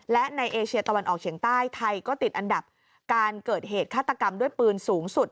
และในเอเชียตะวันออกเฉียงใต้ไทยก็ติดอันดับการเกิดเหตุฆาตกรรมด้วยปืนสูงสุด